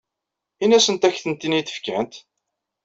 Ini-asent ad ak-ten-id-fkent.